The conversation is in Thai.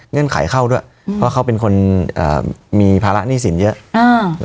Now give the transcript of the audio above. เงื่อนไขเข้าด้วยอืมเพราะเขาเป็นคนเอ่อมีภาระหนี้สินเยอะอ่า